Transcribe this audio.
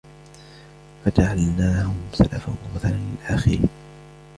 فَجَعَلْنَاهُمْ سَلَفًا وَمَثَلًا لِلْآخِرِينَ